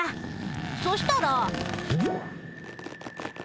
そしたら。